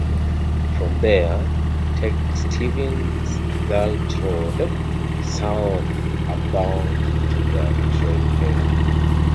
From there, take Stevens Gulch Road south about to the trailhead.